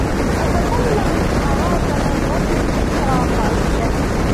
أتطلع لأراكَ مرةً أخرى قريباً.